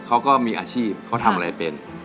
เขาก็มีอาชีพเขาทำอะไรเป็น